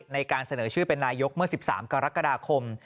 ในการเสนอชื่อเป็นนายกเมื่อ๑๓กรกฎาคม